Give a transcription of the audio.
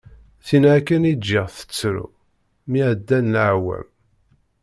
Tinna akken i ğğiɣ tettru, mi ɛeddan laɛwam.